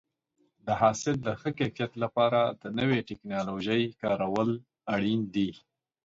د حاصل د ښه کیفیت لپاره د نوې ټکنالوژۍ کارول اړین دي.